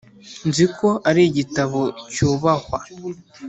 Nzi ko ari igitabo cyubahwa